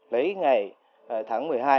lấy ngày tháng một mươi hai